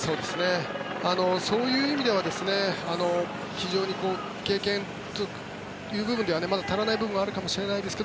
そういう意味では非常に経験という部分ではまだ足らない部分はあるかもしれないですが